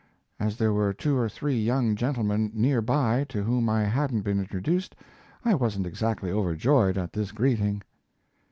As there were two or three young gentlemen near by to whom I hadn't been introduced I wasn't exactly overjoyed at this greeting.